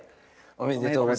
おめでとうございます。